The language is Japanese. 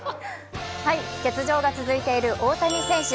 欠場が続いている大谷選手。